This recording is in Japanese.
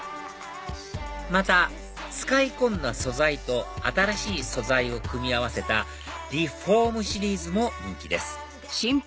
また使い込んだ素材と新しい素材を組み合わせたＲｅ：ｆｏｒｍシリーズも人気です